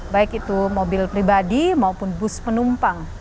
baik itu mobil pribadi maupun bus penumpang